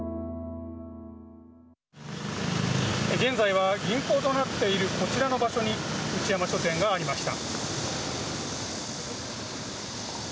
現在は銀行となっているこちらの場所に内山書店がありました。